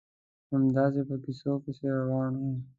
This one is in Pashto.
همداسې په کیسو روان وو.